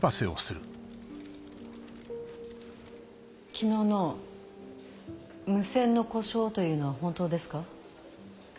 昨日の無線の故障というのは本当ですか？